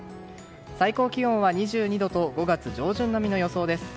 最高気温は２２度と５月上旬並みの予想です。